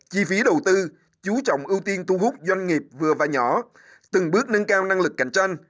chi phí đầu tư chú trọng ưu tiên thu hút doanh nghiệp vừa và nhỏ từng bước nâng cao năng lực cạnh tranh